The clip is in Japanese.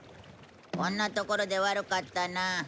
こんな所で悪かったな。